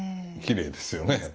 きれいですよね。